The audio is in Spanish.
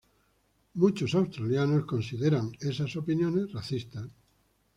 Muchas personas australianas le consideran esas opiniones racistas.